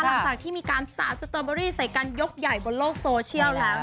หลังจากที่มีการสาดสตอเบอรี่ใส่กันยกใหญ่บนโลกโซเชียลแล้ว